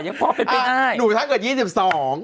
ยังพอเป็นไปได้หนูถ้าเกิดยี่สิบสอง